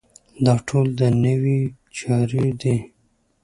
دا ټول دنیوي چارې دي.